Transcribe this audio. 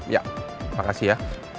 ya makasih ya